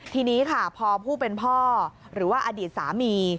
ทีนี้ค่ะพอผู้เป็นพ่อหรือว่าอดีตสามี